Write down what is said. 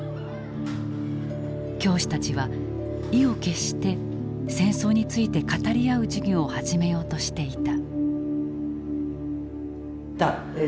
教師たちは意を決して戦争について語り合う授業を始めようとしていた。